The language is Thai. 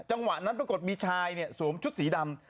จังหวะนั้นปรากฏมีชายสวมชุดสีดำ